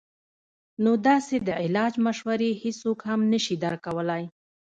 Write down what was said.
نو داسې د علاج مشورې هيڅوک هم نشي درکولے -